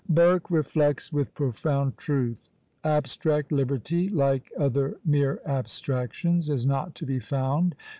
Burke reflects with profound truth "Abstract liberty, like other mere abstractions, is not to be found.